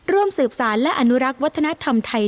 ร่วมสืบสารและอนุรักษ์วัฒนธรรมไทย